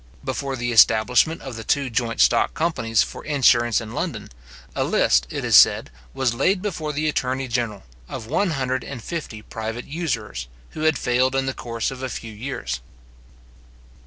Before the establishment of the two joint stock companies for insurance in London, a list, it is said, was laid before the attorney general, of one hundred and fifty private usurers, who had failed in the course of a few years.